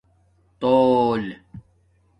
تُݸل